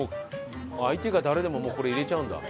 相手が誰でももうこれ入れちゃうんだ。